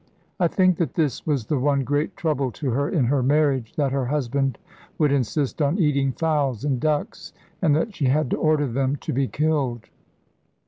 I think that this was the one great trouble to her in her marriage, that her husband would insist on eating fowls and ducks, and that she had to order them to be killed.